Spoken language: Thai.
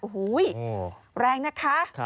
โอ้โหแรงนะคะ